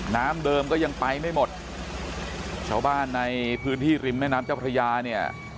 น้ำเดิมก็ยังไปไม่หมดชาวบ้านในพื้นที่ริมแม่น้ำเจ้าพระยาเนี่ย